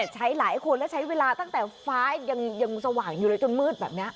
ใช้หลายคนและใช้เวลาตั้งแต่ฟ้ายังสว่างอยู่เลยจนมืดแบบนี้